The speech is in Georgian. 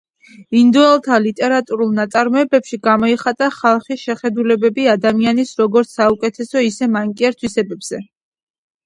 ინდოელთა ლიტერატურულ ნაწარმოებებში გამოიხატა ხალხის შეხედულებები ადამიანის როგორც საუკეთესო, ისე მანკიერ თვისებებზე.